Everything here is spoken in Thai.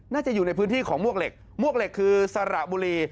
น่าจะอยู่ในพื้นที่ของมวกเหล็กมวกเหล็กคือสระบุรี